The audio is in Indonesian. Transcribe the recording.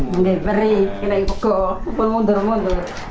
basah bait pair kena ngiku guarding